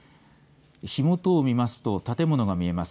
火元を見ますと建物が見えます。